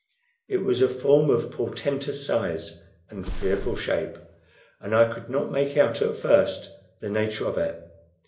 It was a form of portentous size and fearful shape, and I could not make out at first the nature of it.